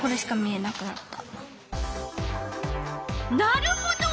なるほど。